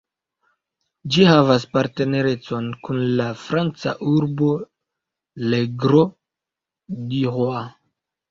Ĝi havas partnerecon kun la franca urbo Le Grau du Roi.